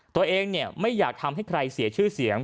ตัวเองไม่อยากทำให้ใครเสียชื่อเสียง